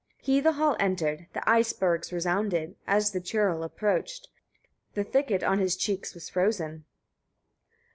He the hall entered, the icebergs resounded, as the churl approached; the thicket on his cheeks was frozen.